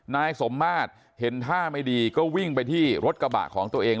นายสมมาตรเห็นท่าไม่ดีก็วิ่งไปที่รถกระบะของตัวเอง